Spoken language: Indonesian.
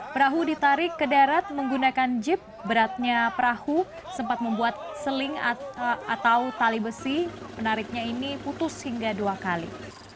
perahu ditarik ke darat menggunakan jeep beratnya perahu sempat membuat seling atau tali besi penariknya ini putus hingga dua kali